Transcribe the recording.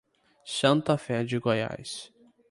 Santa Fé de Goiás